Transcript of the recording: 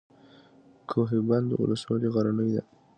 کوه بند ولسوالۍ غرنۍ ده؟